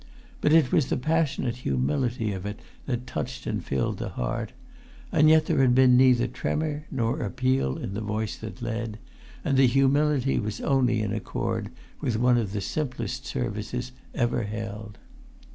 But it was the passionate humility of it that touched and filled the heart; and yet there had been neither tremor nor appeal in the voice that led; and the humility was only in accord with one of the simplest services ever held.